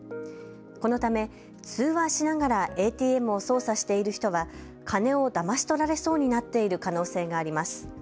このため、通話しながらＡＴＭを操作している人は金をだまし取られそうになっている可能性があります。